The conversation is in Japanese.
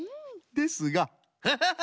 ですがハハハハ！